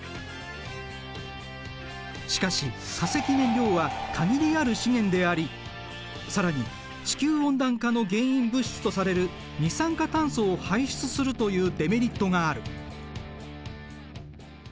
しかし化石燃料は限りある資源であり更に地球温暖化の原因物質とされる二酸化炭素を排出するというデメリットがある。